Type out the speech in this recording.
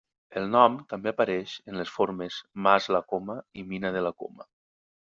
El nom també apareix en les formes Mas la Coma i Mina de la Coma.